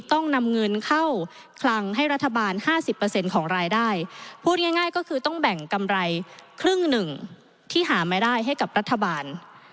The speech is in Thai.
ต้องนำเงินเข้าคลังให้รัฐบาล๕๐ของรายได้พูดง่ายก็คือต้องแบ่งกำไรครึ่งหนึ่งที่หาไม่ได้ให้กับรัฐบาล